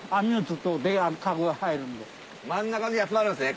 真ん中に集まるんですね。